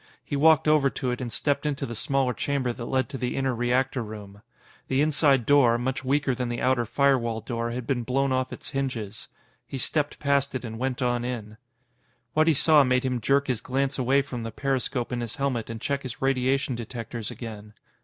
He walked over to it and stepped into the small chamber that led to the inner reactor room. The inside door, much weaker than the outer firewall door, had been blown off its hinges. He stepped past it and went on in. What he saw made him jerk his glance away from the periscope in his helmet and check his radiation detectors again.